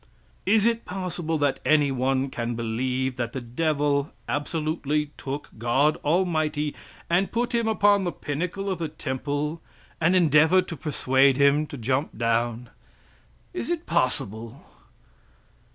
(Is it possible that anyone can believe that the devil absolutely took God Almighty, and put him upon the pinnacle of the temple, and endeavored to persuade him to jump down? Is it possible?)